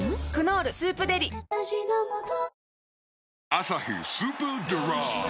「アサヒスーパードライ」